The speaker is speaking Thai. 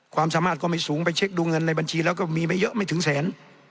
ความสามารถก็ไม่สูงไปเช็คดูเงินในบัญชีแล้วก็มีไม่เยอะไม่ถึงแสน